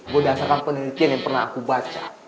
gue dasarkan penelitian yang pernah aku baca